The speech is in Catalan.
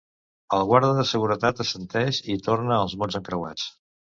El guarda de seguretat assenteix i torna als mots encreuats.